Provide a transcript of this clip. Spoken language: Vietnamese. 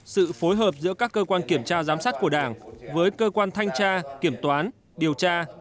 sự phối hợp giữa các cơ quan kiểm tra giám sát của đảng với cơ quan thanh tra kiểm toán điều tra